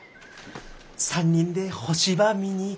３人で星ば見に行くとかさ。